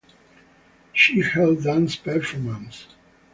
She held dance performances.